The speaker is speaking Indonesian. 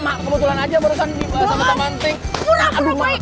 mak kebetulan aja barusan sama sama entin